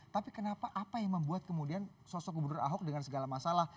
tapi kenapa apa yang membuat kemudian sosok gubernur ahok dengan segala masalah